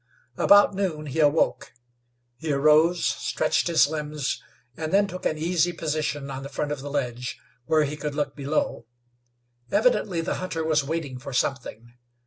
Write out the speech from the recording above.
About noon he awoke. He arose, stretched his limbs, and then took an easy position on the front of the ledge, where he could look below. Evidently the hunter was waiting for something.